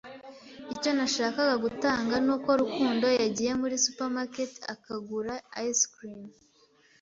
Icyo nashakaga gutanga nuko Rukundo yagiye muri supermarket akagura ice cream.